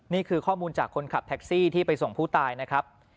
นี่คือข้อมูลจากคนขับแท็กซี่ที่ไปส่งผู้ตายนะครับ